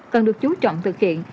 cần được chú trọng thực hiện